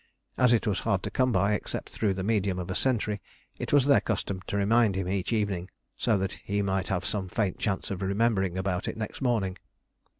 As it was hard to come by except through the medium of a sentry, it was their custom to remind him each evening, so that he might have some faint chance of remembering about it next morning.